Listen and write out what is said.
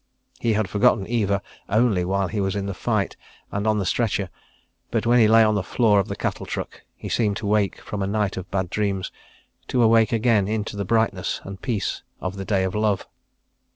.. He had forgotten Eva only while he was in the fight and on the stretcher, but when he lay on the floor of the cattle truck he seemed to wake from a night of bad dreams—to awake again into the brightness and peace of the day of Love.